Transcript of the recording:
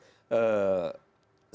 saya bandingkan dengan